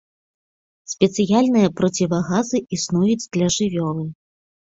Спецыяльныя процівагазы існуюць для жывёлы.